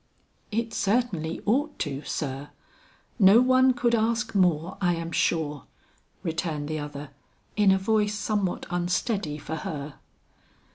"It certainly ought to, sir. No one could ask more, I am sure," returned the other in a voice somewhat unsteady for her.